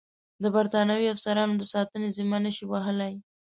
د برټانوي افسرانو د ساتنې ذمه نه شي وهلای.